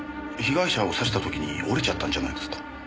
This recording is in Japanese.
被害者を刺した時に折れちゃったんじゃないですか？